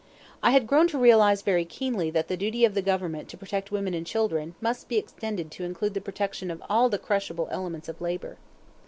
I had grown to realize very keenly that the duty of the Government to protect women and children must be extended to include the protection of all the crushable elements of labor.